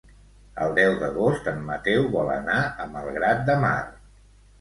El deu d'agost en Mateu vol anar a Malgrat de Mar.